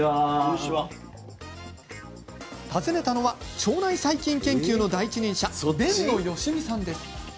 訪ねたのは腸内細菌研究の第一人者、辨野義己さんです。